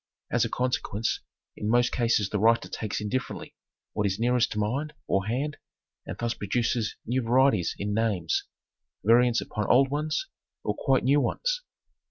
As.a consequence in most cases the writer takes indifferently what is nearest to mind or hand and thus produces new varieties in names, variants upon old ones or quite new ones.